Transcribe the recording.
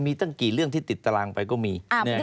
มีตั้งกี่เรื่องที่ติดตารางไปก็มี